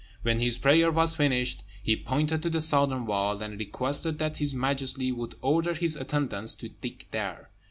When his prayer was finished, he pointed to the southern wall, and requested that his majesty would order his attendants to dig there.